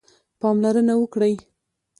پاملرنه وکړئ